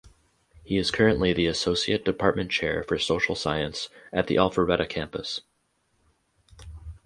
He is currently the Associate Department Chair for Social Science at the Alpharetta Campus.